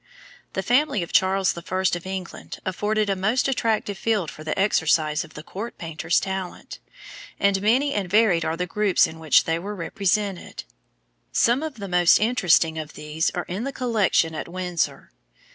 The family of Charles I. of England afforded a most attractive field for the exercise of the court painter's talent, and many and varied are the groups in which they were represented. Some of the most interesting of these are in the collection at Windsor.